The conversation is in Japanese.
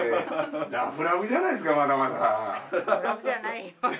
ラブラブじゃないですかまだまだ。